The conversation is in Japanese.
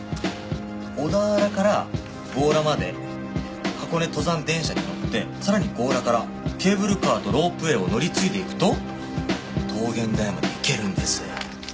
小田原から強羅まで箱根登山電車に乗ってさらに強羅からケーブルカーとロープウェイを乗り継いでいくと桃源台まで行けるんです。